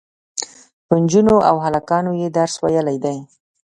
په نجونو او هلکانو یې درس ویلی دی.